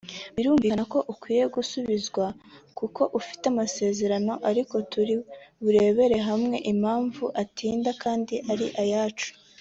Birumvikana ko ukwiye gusubizwa kuko ufite amasezerano ariko turi burebere hamwe impamvu atinda kandi ari ayacu